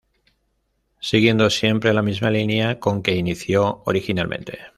Siguiendo siempre la misma línea con que inició originalmente.